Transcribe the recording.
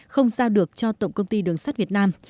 không giao được cho tổng công ty đường sắt việt nam